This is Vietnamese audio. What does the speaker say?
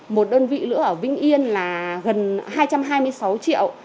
một đơn vị nữa ở vĩnh yên là gần hai trăm hai mươi sáu triệu